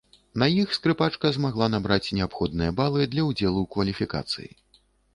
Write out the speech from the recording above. На іх скрыпачка змагла набраць неабходныя балы для ўдзелу ў кваліфікацыі.